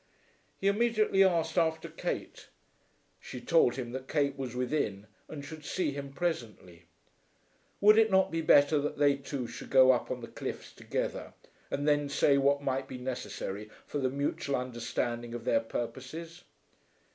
He immediately asked after Kate. She told him that Kate was within and should see him presently. Would it not be better that they two should go up on the cliffs together, and then say what might be necessary for the mutual understanding of their purposes?